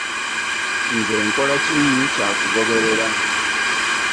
Nze nkola kimu kya kugoberera.